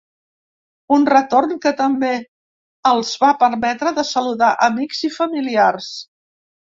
Un retorn que també els va permetre de saludar amics i familiars.